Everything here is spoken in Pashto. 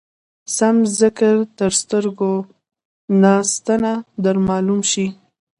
سم ذکر تر سترګو ناسنته در معلوم شي.